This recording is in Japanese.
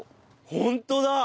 ホントだ！